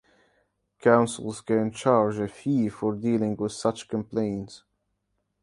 Councils can charge a fee for dealing with such complaints.